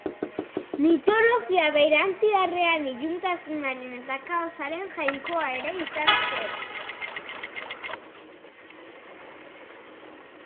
Mitologia berantiarrean, iluntasunaren eta kaosaren jainkoa ere izan zen.